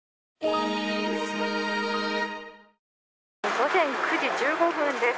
午前９時１５分です。